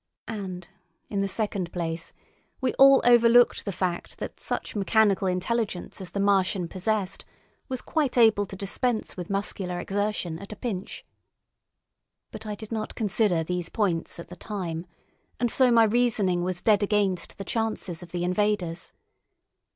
And, in the second place, we all overlooked the fact that such mechanical intelligence as the Martian possessed was quite able to dispense with muscular exertion at a pinch. But I did not consider these points at the time, and so my reasoning was dead against the chances of the invaders.